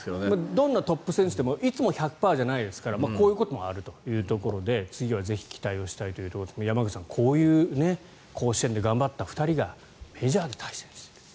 どんなトップ選手でもいつも１００％じゃないですからこういうこともあるというところで次はぜひ期待をしたいというところですが山口さん、こういう甲子園で頑張った２人がメジャーで対戦するという。